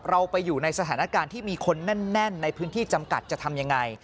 เราไปอยู่ในสถานการณ์ที่มีคนแน่นในพื้นที่จำกัดจะทำยังไง